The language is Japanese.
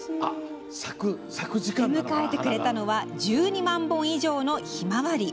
出迎えてくれたのは１２万本以上のひまわり。